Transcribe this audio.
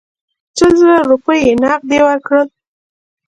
شل زره روپۍ نغدي ورکړل.